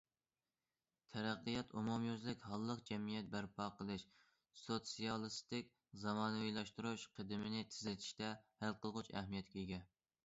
تەرەققىيات ئومۇميۈزلۈك ھاللىق جەمئىيەت بەرپا قىلىش، سوتسىيالىستىك زامانىۋىلاشتۇرۇش قەدىمىنى تېزلىتىشتە ھەل قىلغۇچ ئەھمىيەتكە ئىگە.